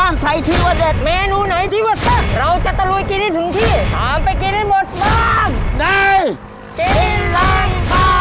ในกินล้างบาง